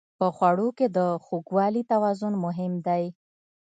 په خوړو کې د خوږوالي توازن مهم دی.